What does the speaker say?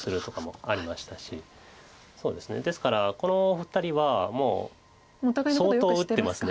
そうですねですからこのお二人はもう相当打ってます。